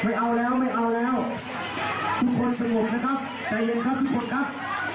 ไม่เอาแล้วไม่เอาแล้วทุกคนสงบนะครับใจเย็นครับทุกคนครับ